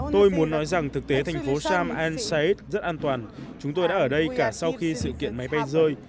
tôi muốn nói rằng thực tế thành phố sam ansayat rất an toàn chúng tôi đã ở đây cả sau khi sự kiện máy bay rơi